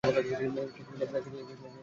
ঠিক মতো চেপ কর।